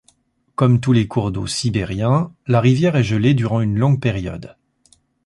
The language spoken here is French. Comme tous les cours d'eau sibériens, la rivière est gelée durant une longue période.